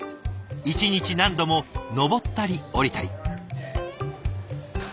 一日何度も上ったり下りたり。